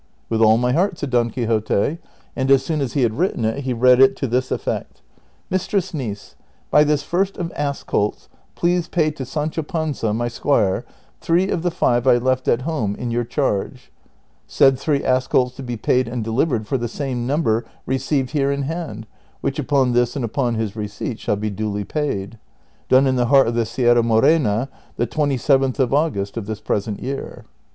'' With all my heart," said Don Quixote, and as soon as he had written it he read it to this effect :" Mistress Niece, — By this first of ass colts please pay to Sancho Panza, my squire, three of the five I left at home in your charge : said three ass colts to be paid and delivered for the same number re ceived here in hand, which upon this and upon his receipt shall be duly paid. Done In the heart of the Sierra Morena, the twenty seventh of August of this present year."